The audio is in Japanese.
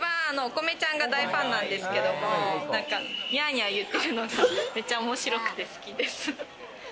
私、一番おこめちゃんが大ファンなんですけれど、にゃにゃ言ってるのが、めっちゃ面白くて好きです。